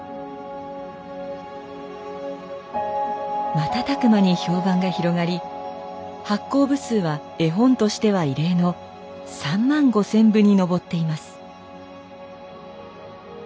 瞬く間に評判が広がり発行部数は絵本としては異例の３万５，０００部に上っています。